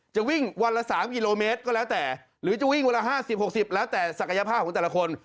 จะวิ่งวันละ๓กิโลเมตรก็แล้วแต่หรือจะวิ่งวันละ๕๐๖๐แล้วแต่ศักยภาพของแต่ละคน